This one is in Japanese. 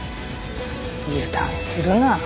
油断するな。